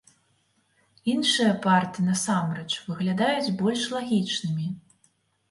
Іншыя парты насамрэч выглядаюць больш лагічнымі.